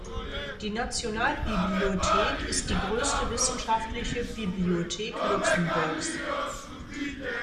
Die Nationalbibliothek ist die größte wissenschaftliche Bibliothek Luxemburgs.